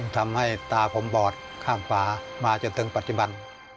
ทำให้ตาผมบอดข้างขวามาจนถึงปัจจุบัน